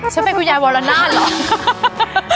ฉันเป็นคุณยายวรนาศเหรอ